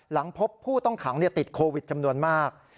หลังพบผู้ต้องขังติดโควิดจำนวนมาก